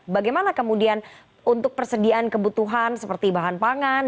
bagaimana kemudian untuk persediaan kebutuhan seperti bahan pangan